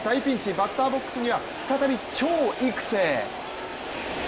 バッターボックスには再び、張育成。